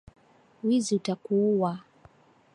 Wizi utakuua